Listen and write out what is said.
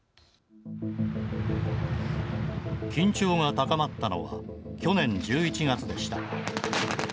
緊張が高まったのは去年１１月でした。